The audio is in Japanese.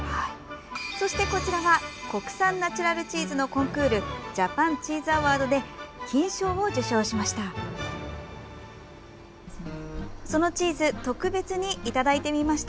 そして、こちらは国産ナチュラルチーズのコンクールジャパンチーズアワードで金賞を受賞しました。